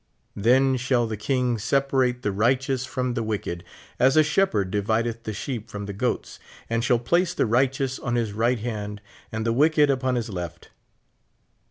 Then shall the king separate the righteous from the wicked, as a shepherd divideth the sheep from the gOAts, and shall place the righteous on his right hand and the wicked upon his left.